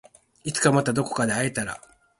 いつかまたどこかで会えたら